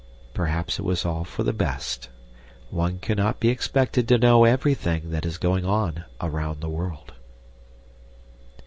Perhaps it was all for the best. One cannot be expected to know everything that is going on around the world.